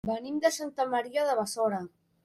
Venim de Santa Maria de Besora.